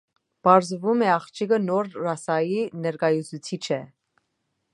Պարզվում է աղջիկը նոր ռասայի ներկայացուցիչ է։